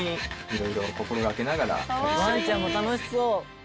「ワンちゃんも楽しそう！」